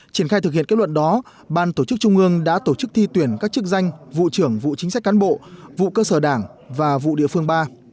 triển khai thực hiện kết luận đó ban tổ chức trung ương đã tổ chức thi tuyển các chức danh vụ trưởng vụ chính sách cán bộ vụ cơ sở đảng và vụ địa phương ba